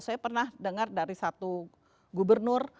saya pernah dengar dari satu gubernur